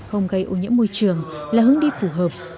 không gây ô nhiễm môi trường là hướng đi phù hợp